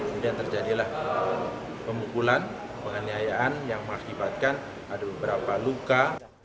kemudian terjadilah pemukulan penganiayaan yang mengakibatkan ada beberapa luka